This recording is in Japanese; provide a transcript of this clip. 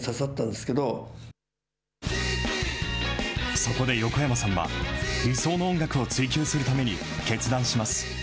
そこで横山さんは、理想の音楽を追求するために決断します。